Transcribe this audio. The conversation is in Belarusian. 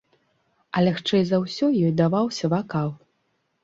А лягчэй за ўсё ёй даваўся вакал.